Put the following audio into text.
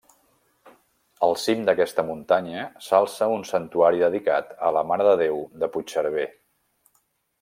Al cim d'aquesta muntanya s'alça un santuari dedicat a la Mare de Déu de Puigcerver.